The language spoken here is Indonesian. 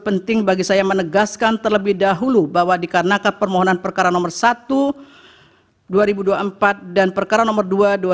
penting bagi saya menegaskan terlebih dahulu bahwa dikarenakan permohonan perkara nomor satu dua ribu dua puluh empat dan perkara nomor dua dua ribu dua puluh